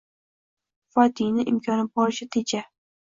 – “quvvatingni imkoni boricha teja